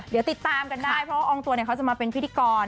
เดี๋ยวติดตามกันได้เพราะอองตัวจะมาเป็นพิดีกร